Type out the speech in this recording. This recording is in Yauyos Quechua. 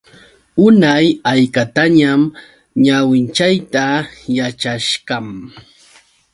Unay haykatañam ñawinchayta yachashqam.